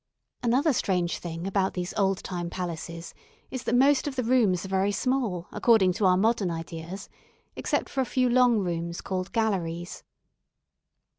Another strange thing about these old time palaces is that most of the rooms are very small according to our modern ideas, except for a few long rooms, called galleries.